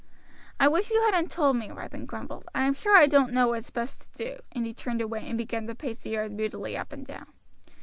"I wish you hadn't told me," Ripon grumbled. "I am sure I don't know what's best to do;" and he turned away and began to pace the yard moodily up and down.